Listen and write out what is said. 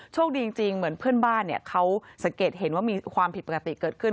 โชคดีจริงเหมือนเพื่อนบ้านเขาสังเกตเห็นว่ามีความผิดปกติเกิดขึ้น